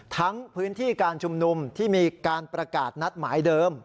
พื้นที่การชุมนุมที่มีการประกาศนัดหมายเดิม